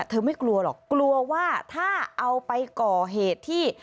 ไม่กลัวหรอกกลัวว่าถ้าเอาไปก่อเหตุที่